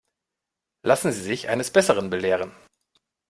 Lassen Sie sich eines Besseren belehren.